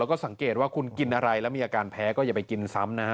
แล้วก็สังเกตว่าคุณกินอะไรแล้วมีอาการแพ้ก็อย่าไปกินซ้ำนะฮะ